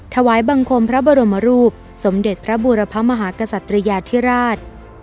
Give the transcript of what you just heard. ถวายบังคมพระบรมรูปสมเด็จพระบูรพมหากษัตริยาธิราช